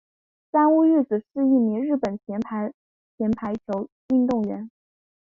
三屋裕子是一名日本前排球运动员。